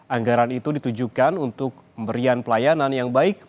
anggaran itu ditujukan untuk pemberian pelayanan yang baik